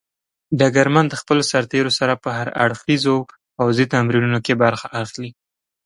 ډګرمن د خپلو سرتېرو سره په هر اړخيزو پوځي تمرینونو کې برخه اخلي.